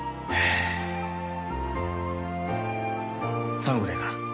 寒くねえか？